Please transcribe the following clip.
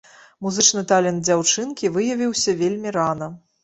Музычны талент дзяўчынкі выявіўся вельмі рана.